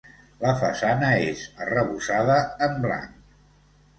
La façana és arrebossada en blanc.